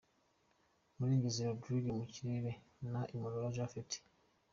Murengezi Rodrigue mu kirere na Imurora Japhet .